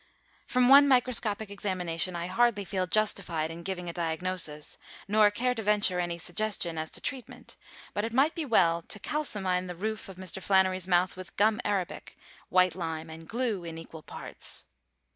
From one microscopic examination I hardly feel justified in giving a diagnosis, nor care to venture any suggestion as to treatment, but it might be well to kalsomine the roof of Mr. Flannery's mouth with gum arabic, white lime and glue in equal parts.